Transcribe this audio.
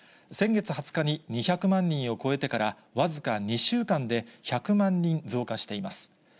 先月２０日に２００万人を超えてから僅か２週間で、１００万人増加しています。